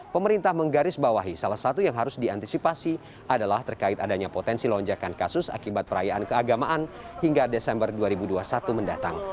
pemerintah menggarisbawahi salah satu yang harus diantisipasi adalah terkait adanya potensi lonjakan kasus akibat perayaan keagamaan hingga desember dua ribu dua puluh satu mendatang